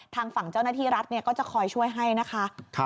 ทางฝั่งเจ้าหน้าที่รัฐก็จะคอยช่วยให้นะคะ